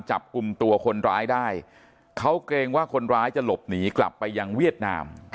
จับกลุ่มตัวคนร้ายได้เขาเกรงว่าคนร้ายจะหลบหนีกลับไปยังเวียดนาม